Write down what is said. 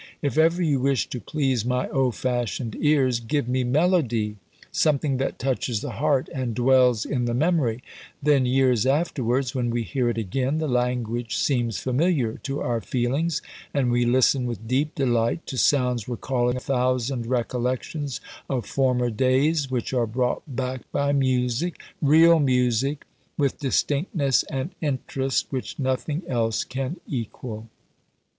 If ever you wish to please my old fashioned ears, give me melody, something that touches the heart and dwells in the memory, then years afterwards, when we hear it again, the language seems familiar to our feelings, and we listen with deep delight to sounds recalling a thousand recollections of former days, which are brought back by music (real music) with distinctness and interest which nothing else can equal."